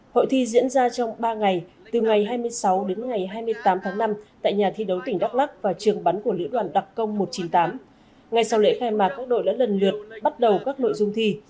hội thi diễn ra trong ba ngày từ ngày hai mươi sáu đến ngày hai mươi tám tháng năm tại nhà thi đấu tỉnh đắk lắc và trường bắn của lữ đoàn đặc công một trăm chín mươi tám ngay sau lễ khai mạc các đội đã lần lượt bắt đầu các nội dung thi